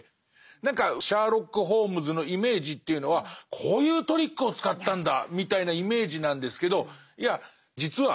何かシャーロック・ホームズのイメージというのはこういうトリックを使ったんだみたいなイメージなんですけどいや実は